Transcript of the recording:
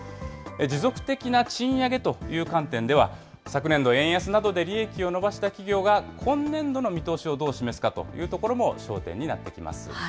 持続的な賃上げという観点では、昨年度、円安などで利益を伸ばした企業が今年度の見通しをどう示すかというところも焦点になってきます。